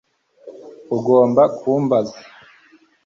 Ugomba kumbaza